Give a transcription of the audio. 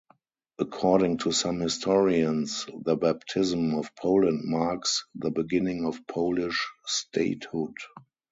According to some historians the baptism of Poland marks the beginning of Polish statehood.